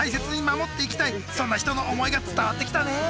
そんな人の思いが伝わってきたね。